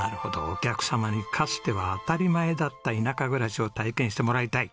お客様にかつては当たり前だった田舎暮らしを体験してもらいたい。